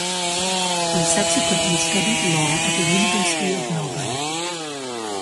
He subsequently studied law at the University of Melbourne.